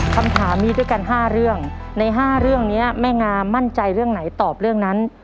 คำถามมีด้วยกัน๕เรื่องใน๕เรื่องนี้แม่งามั่นใจเรื่องไหนตอบเรื่องนั้น